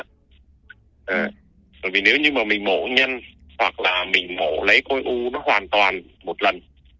à bởi vì nếu như mà mình mổ nhanh hoặc là mình mổ lấy khối u nó hoàn toàn một lần